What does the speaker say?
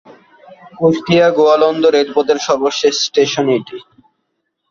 কুষ্টিয়া- গোয়ালন্দ রেলপথের সর্বশেষ স্টেশন এটি।